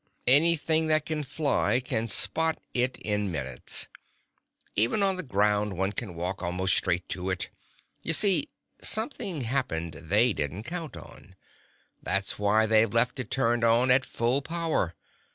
"Anything that can fly can spot it in minutes. Even on the ground one can walk almost straight to it. You see, something happened they didn't count on. That's why they've left it turned on at full power.